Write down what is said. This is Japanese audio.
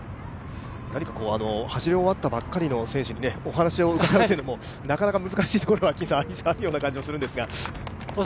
走り終わったばかりの選手にお話を伺うというのも、なかなか難しいところがあるような感じもするんですが。